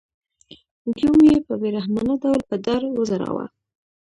ګیوم یې په بې رحمانه ډول په دار وځړاوه.